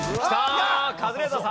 カズレーザーさん。